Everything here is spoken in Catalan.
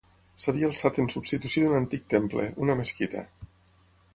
S'havia alçat en substitució d'un antic temple, una mesquita.